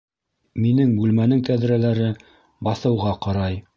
Минең бүлмәнең тәҙрәләре баҫыуға ҡарай